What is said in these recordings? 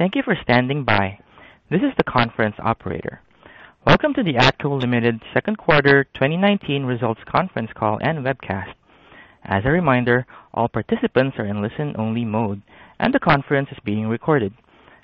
Thank you for standing by. This is the conference operator. Welcome to the ATCO Ltd. Second Quarter 2019 Results Conference Call and Webcast. As a reminder, all participants are in listen only mode and the conference is being recorded.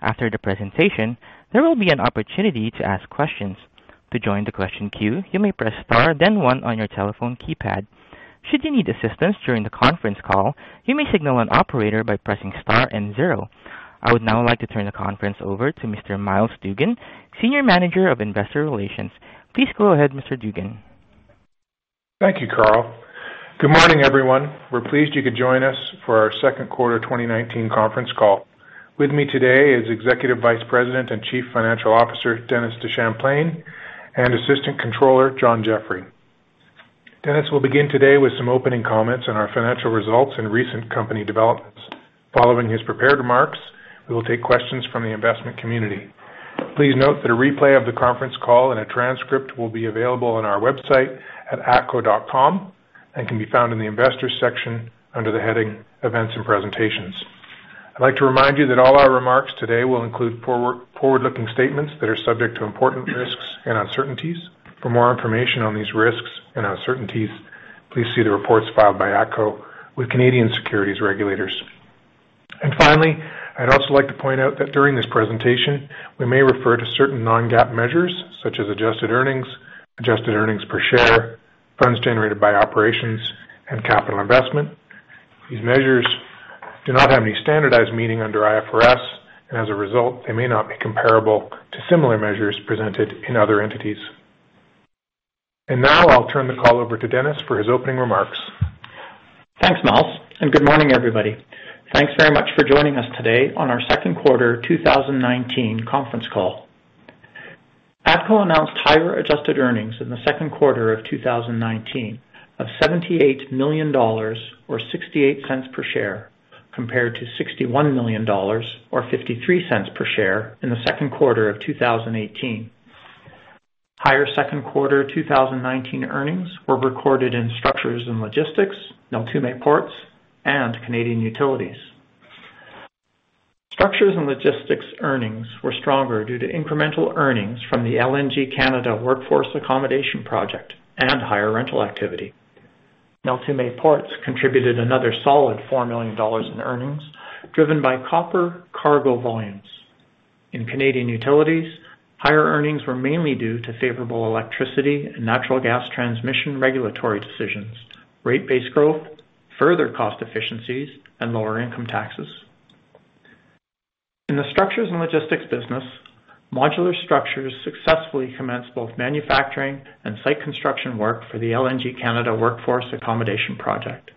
After the presentation, there will be an opportunity to ask questions. To join the question queue, you may press star then one on your telephone keypad. Should you need assistance during the conference call, you may signal an operator by pressing star and zero. I would now like to turn the conference over to Mr. Myles Dougan, Senior Manager of Investor Relations. Please go ahead, Mr. Dougan. Thank you, Carl. Good morning, everyone. We're pleased you could join us for our second quarter 2019 conference call. With me today is Executive Vice President and Chief Financial Officer, Dennis DeChamplain, and Assistant Controller, John Jeffrey. Dennis will begin today with some opening comments on our financial results and recent company developments. Following his prepared remarks, we will take questions from the investment community. Please note that a replay of the conference call and a transcript will be available on our website at atco.com and can be found in the investors section under the heading Events and Presentations. I'd like to remind you that all our remarks today will include forward-looking statements that are subject to important risks and uncertainties. For more information on these risks and uncertainties, please see the reports filed by ATCO with Canadian securities regulators. Finally, I'd also like to point out that during this presentation, we may refer to certain non-GAAP measures such as adjusted earnings, adjusted earnings per share, funds generated by operations, and capital investment. These measures do not have any standardized meaning under IFRS, and as a result, they may not be comparable to similar measures presented in other entities. Now I'll turn the call over to Dennis for his opening remarks. Thanks, Myles. Good morning, everybody. Thanks very much for joining us today on our second quarter 2019 conference call. ATCO announced higher adjusted earnings in the second quarter of 2019 of 78 million dollars or 0.68 per share, compared to 61 million dollars or 0.53 per share in the second quarter of 2018. Higher second quarter 2019 earnings were recorded in Structures and Logistics, Neltume Ports and Canadian Utilities. Structures and Logistics earnings were stronger due to incremental earnings from the LNG Canada Workforce Accommodation Project and higher rental activity. Neltume Ports contributed another solid 4 million dollars in earnings, driven by copper cargo volumes. In Canadian Utilities, higher earnings were mainly due to favorable electricity and natural gas transmission regulatory decisions, rate base growth, further cost efficiencies, and lower income taxes. In the Structures and Logistics business, Modular Structures successfully commenced both manufacturing and site construction work for the LNG Canada workforce accommodation project.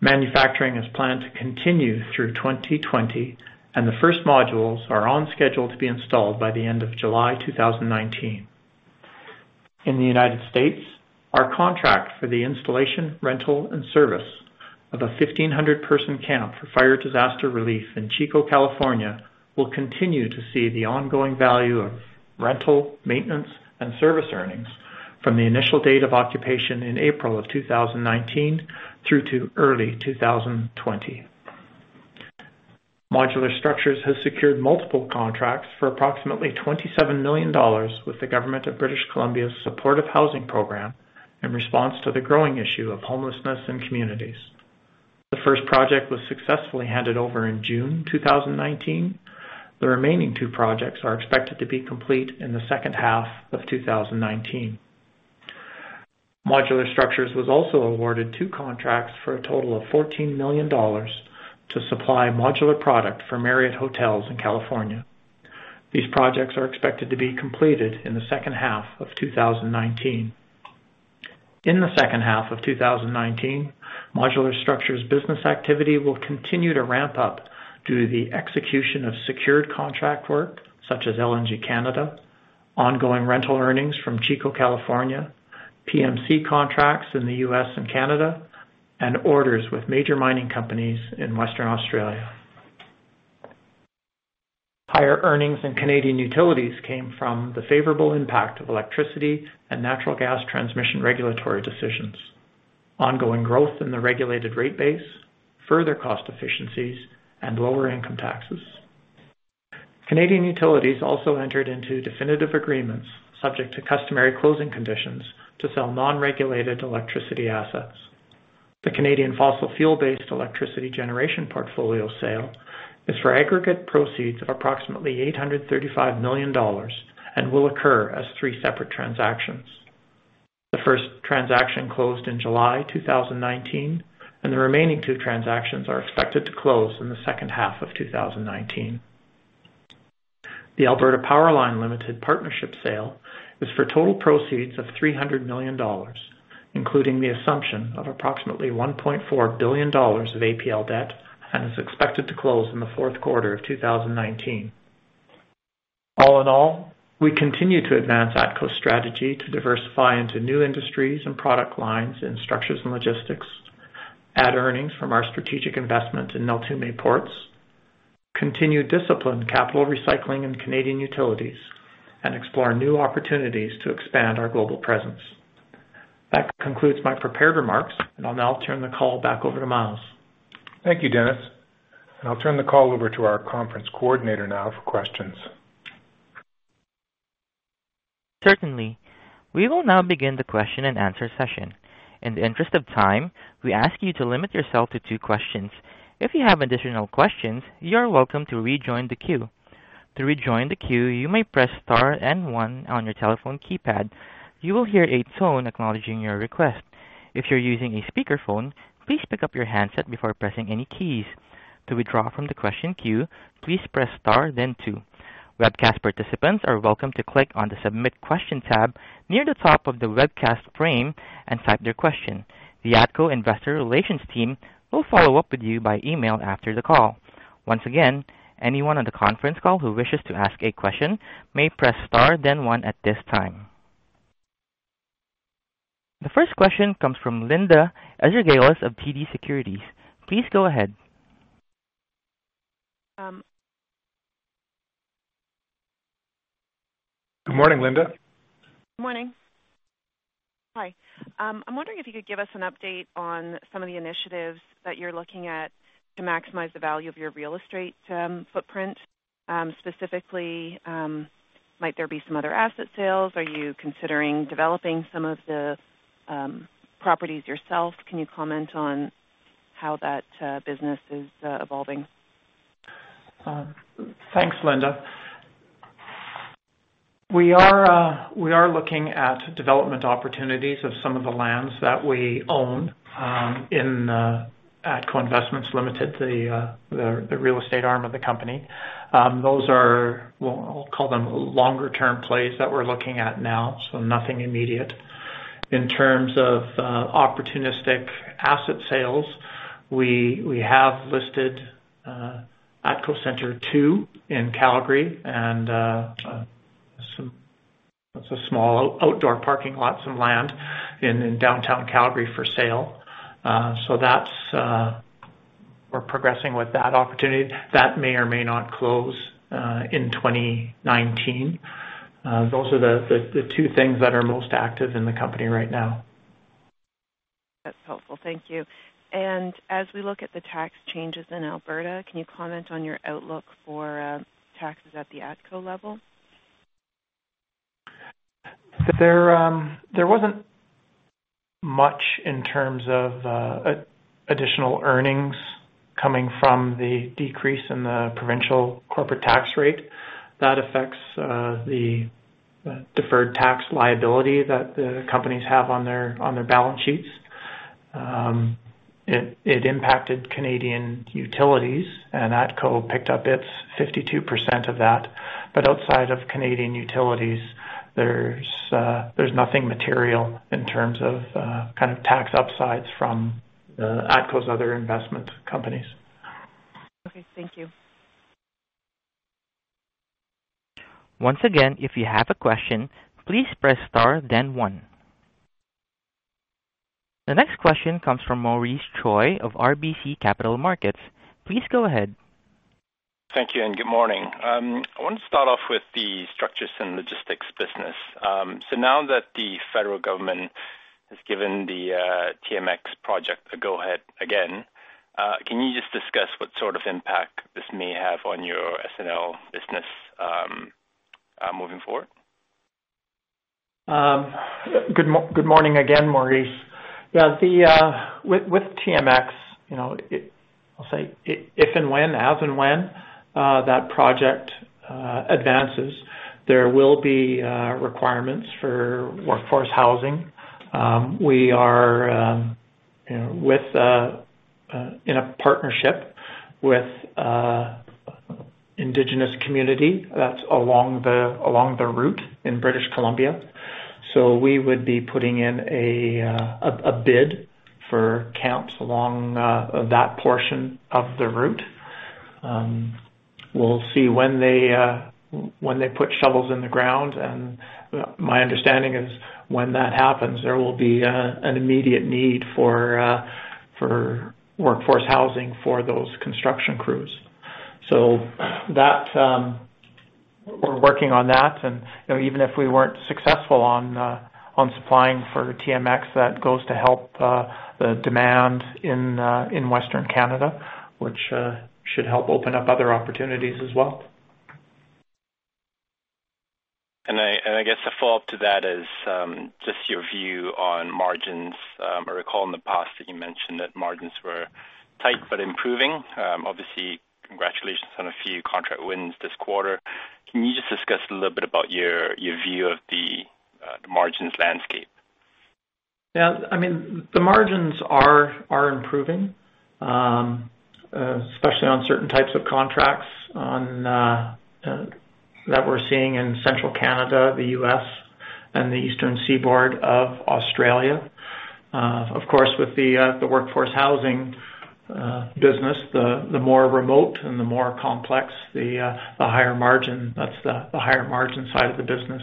Manufacturing is planned to continue through 2020, and the first modules are on schedule to be installed by the end of July 2019. In the U.S., our contract for the installation, rental, and service of a 1,500-person camp for fire disaster relief in Chico, California, will continue to see the ongoing value of rental, maintenance, and service earnings from the initial date of occupation in April 2019 through to early 2020. Modular Structures has secured multiple contracts for approximately 27 million dollars with the government of British Columbia's Supportive Housing program in response to the growing issue of homelessness in communities. The first project was successfully handed over in June 2019. The remaining two projects are expected to be complete in the second half of 2019. Modular Structures was also awarded two contracts for a total of 14 million dollars to supply modular product for Marriott Hotels in California. These projects are expected to be completed in the second half of 2019. In the second half of 2019, Modular Structures business activity will continue to ramp up due to the execution of secured contract work such as LNG Canada, ongoing rental earnings from Chico, California, PMC contracts in the U.S. and Canada, and orders with major mining companies in Western Australia. Higher earnings in Canadian Utilities came from the favorable impact of electricity and natural gas transmission regulatory decisions, ongoing growth in the regulated rate base, further cost efficiencies, and lower income taxes. Canadian Utilities also entered into definitive agreements subject to customary closing conditions to sell non-regulated electricity assets. The Canadian fossil fuel-based electricity generation portfolio sale is for aggregate proceeds of approximately 835 million dollars and will occur as three separate transactions. The first transaction closed in July 2019, and the remaining two transactions are expected to close in the second half of 2019. The Alberta PowerLine Limited Partnership sale is for total proceeds of 300 million dollars, including the assumption of approximately 1.4 billion dollars of APL debt and is expected to close in the fourth quarter of 2019. All in all, we continue to advance ATCO's strategy to diversify into new industries and product lines in Structures and Logistics, add earnings from our strategic investment in Neltume Ports, continue disciplined capital recycling in Canadian Utilities, and explore new opportunities to expand our global presence. That concludes my prepared remarks, and I'll now turn the call back over to Myles. Thank you, Dennis. I'll turn the call over to our conference coordinator now for questions. Certainly. We will now begin the question and answer session. In the interest of time, we ask you to limit yourself to two questions. If you have additional questions, you are welcome to rejoin the queue. To rejoin the queue, you may press star and one on your telephone keypad. You will hear a tone acknowledging your request. If you're using a speakerphone, please pick up your handset before pressing any keys. To withdraw from the question queue, please press star then two. Webcast participants are welcome to click on the submit question tab near the top of the webcast frame and type their question. The ATCO investor relations team will follow up with you by email after the call. Once again, anyone on the conference call who wishes to ask a question may press star then one at this time. The first question comes from Linda Ezergailis of TD Securities. Please go ahead. Good morning, Linda. Good morning. Hi. I'm wondering if you could give us an update on some of the initiatives that you're looking at to maximize the value of your real estate footprint. Specifically, might there be some other asset sales? Are you considering developing some of the properties yourself? Can you comment on how that business is evolving? Thanks, Linda. We are looking at development opportunities of some of the lands that we own in ATCO Investments Limited, the real estate arm of the company. Those are, we'll call them longer term plays that we're looking at now, so nothing immediate. In terms of opportunistic asset sales, we have listed ATCO Centre II in Calgary and it's a small outdoor parking lot, some land in Downtown Calgary for sale. We're progressing with that opportunity. That may or may not close in 2019. Those are the two things that are most active in the company right now. That's helpful. Thank you. As we look at the tax changes in Alberta, can you comment on your outlook for taxes at the ATCO level? There wasn't much in terms of additional earnings coming from the decrease in the provincial corporate tax rate. That affects the deferred tax liability that the companies have on their balance sheets. It impacted Canadian Utilities, and ATCO picked up its 52% of that. Outside of Canadian Utilities, there's nothing material in terms of tax upsides from ATCO's other investment companies. Okay. Thank you. Once again, if you have a question, please press star then one. The next question comes from Maurice Choy of RBC Capital Markets. Please go ahead. Thank you, good morning. I want to start off with the Structures and logistics business. Now that the federal government has given the TMX project a go ahead again, can you just discuss what sort of impact this may have on your S&L business moving forward? Good morning again, Maurice. With TMX, I'll say if and when, as and when that project advances, there will be requirements for workforce housing. We are in a partnership with an indigenous community that's along the route in British Columbia. We would be putting in a bid for camps along that portion of the route. We'll see when they put shovels in the ground, my understanding is when that happens, there will be an immediate need for workforce housing for those construction crews. We're working on that, and even if we weren't successful on supplying for TMX, that goes to help the demand in Western Canada, which should help open up other opportunities as well. I guess a follow-up to that is just your view on margins. I recall in the past that you mentioned that margins were tight but improving. Obviously, congratulations on a few contract wins this quarter. Can you just discuss a little bit about your view of the margins landscape? Yeah. The margins are improving, especially on certain types of contracts that we're seeing in Central Canada, the U.S., and the Eastern Seaboard of Australia. Of course, with the workforce housing business, the more remote and the more complex, the higher margin. That's the higher margin side of the business.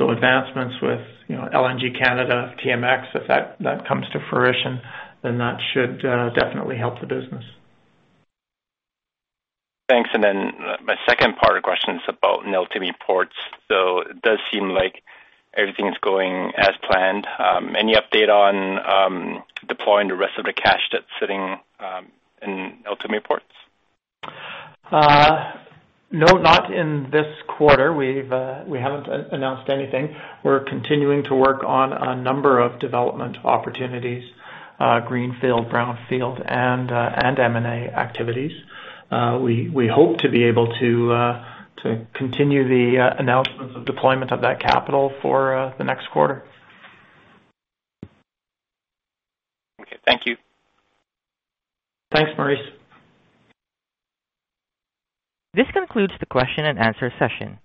Advancements with LNG Canada, TMX, if that comes to fruition, then that should definitely help the business. Thanks. My second part of the question is about Neltume Ports. It does seem like everything is going as planned. Any update on deploying the rest of the cash that's sitting in Neltume Ports? No, not in this quarter. We haven't announced anything. We're continuing to work on a number of development opportunities, greenfield, brownfield, and M&A activities. We hope to be able to continue the announcements of deployment of that capital for the next quarter. Okay. Thank you. Thanks, Maurice. This concludes the question and answer session.